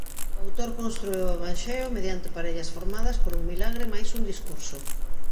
O autor constrúe o Evanxeo mediante parellas formadas por un milagre máis un discurso.